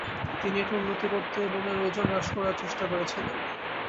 তিনি এটির উন্নতি করতে এবং এর ওজন হ্রাস করার চেষ্টা করেছিলেন।